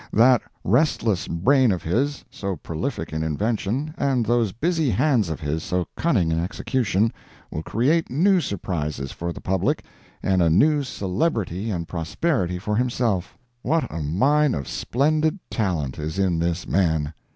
That restless brain of his, so prolific in invention, and those busy hands of his, so cunning in execution, will create new surprises for the public, and a new celebrity and prosperity for himself. What a mine of splendid talent is in this man!